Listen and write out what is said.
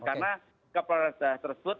karena kepala daerah tersebut